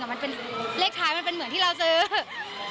มันเป็นเลขท้ายมันเป็นเหมือนที่เราซื้อ